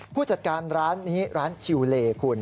ผู้จัดการร้านชิวเลคุณ